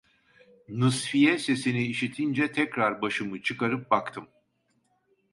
Nısfiye sesini işitince tekrar başımı çıkarıp baktım.